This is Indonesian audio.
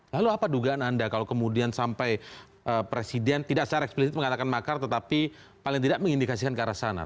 lalu apa dugaan anda kalau kemudian sampai presiden tidak secara eksplisit mengatakan makar tetapi paling tidak mengindikasikan ke arah sana